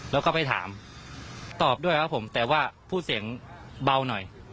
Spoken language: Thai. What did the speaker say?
แล้วก็ไปถามตอบด้วยครับผมแต่ว่าพูดเสียงเบาหน่อย